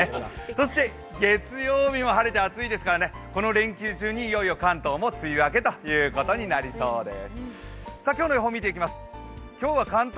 そして、月曜日も晴れて暑いですからね、この連休中にいよいよ関東も梅雨明けということになりそうです。